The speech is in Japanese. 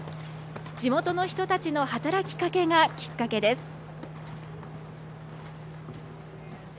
地元の人たちの働きかけがきっかけです。